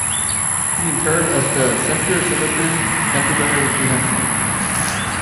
He is interred at the Center Cemetery, Canterbury, New Hampshire.